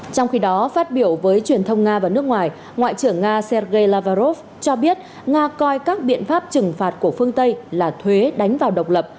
trong khi đó phát biểu với truyền thông nga và nước ngoài ngoại trưởng nga sergei lavrov cho biết nga coi các biện pháp trừng phạt của phương tây là thuế đánh vào độc lập